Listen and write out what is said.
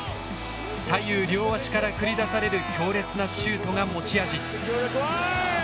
左右両足から繰り出される強烈なシュートが持ち味。